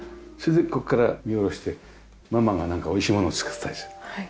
それでここから見下ろしてママがなんかおいしいものを作ってたりする。